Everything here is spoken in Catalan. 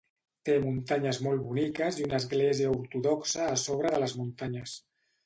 Té muntanyes molt boniques i una església ortodoxa a sobre de les muntanyes.